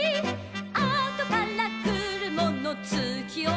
「あとからくるものつきおとせ」